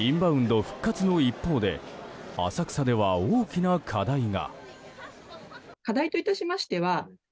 インバウンド復活の一方で浅草では大きな課題が。